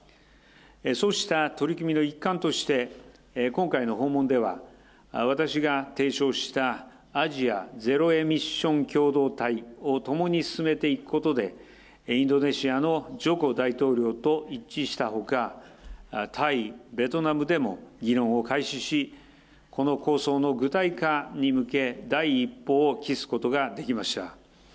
そうした取り組みの一環として、今回の訪問では、私が提唱したアジアゼロエミッション共同体を共に進めていくことで、インドネシアのジョコ大統領と一致したほか、タイ、ベトナムでも議論を開始し、この構想の具体化に向け、第一歩を期すことができました。